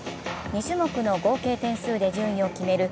２種目の合計点数で順位を決める